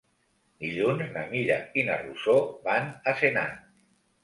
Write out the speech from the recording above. Dilluns na Mira i na Rosó van a Senan.